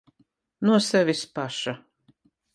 No sevis paša.